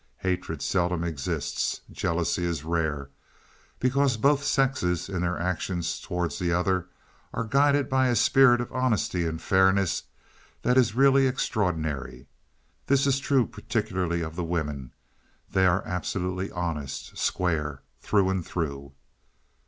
Hatred seldom exists; jealousy is rare, because both sexes, in their actions towards the other, are guided by a spirit of honesty and fairness that is really extraordinary. This is true particularly of the women; they are absolutely honest square, through and through.